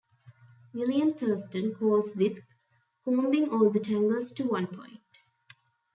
William Thurston calls this "combing all the tangles to one point".